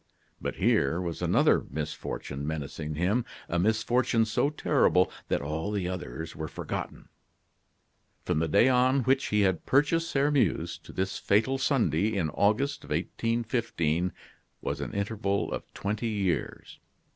But here was another misfortune menacing him; a misfortune so terrible that all the others were forgotten. From the day on which he had purchased Sairmeuse to this fatal Sunday in August, 1815, was an interval of twenty years.